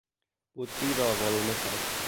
بطری را وارونه کرد.